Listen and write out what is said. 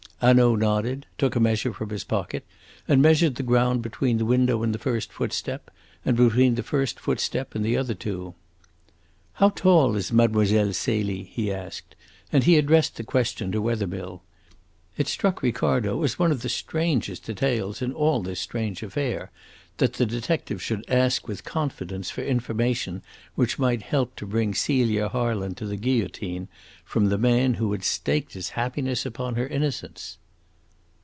Hanaud nodded, took a measure from his pocket and measured the ground between the window and the first footstep, and between the first footstep and the other two. "How tall is Mlle. Celie?" he asked, and he addressed the question to Wethermill. It struck Ricardo as one of the strangest details in all this strange affair that the detective should ask with confidence for information which might help to bring Celia Harland to the guillotine from the man who had staked his happiness upon her innocence.